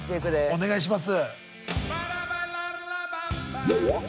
お願いします。